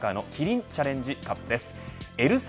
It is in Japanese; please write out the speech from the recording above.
サッカーのキリンチャレンジカップです。